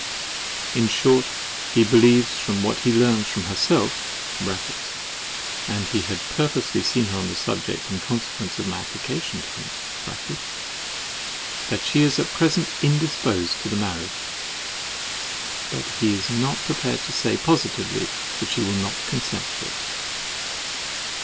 In short, he believes, from what he learns from herself (and he had purposely seen her on the subject, in consequence of my application to him) that she is at present indisposed to the marriage; but he is not prepared to say positively that she will not consent to it.